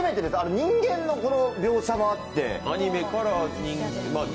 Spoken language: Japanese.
人間の描写もあって。